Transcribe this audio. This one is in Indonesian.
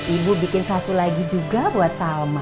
ibu bikin satu lagi juga buat salma